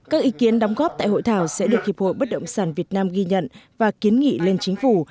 các ý kiến đóng góp tại hội thảo sẽ được hiệp hội bất động sản việt nam ghi nhận và kiến nghị lên chính phủ